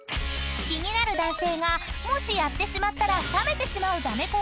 ［気になる男性がもしやってしまったら冷めてしまうダメ行動を判定してもらいます］